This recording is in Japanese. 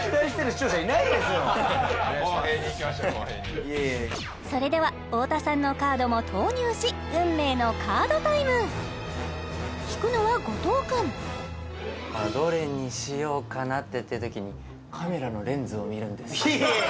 視聴者いないですよいや公平にいきましょう公平にそれでは太田さんのカードも投入し運命のカードタイム引くのは後藤君どれにしようかなってやってるときにカメラのレンズを見るんですいや